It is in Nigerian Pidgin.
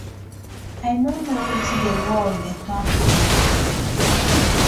I no kno wetin di world dey turn to ooo.